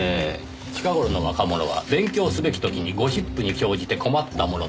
「近頃の若者は勉強すべき時にゴシップに興じて困ったものだ」。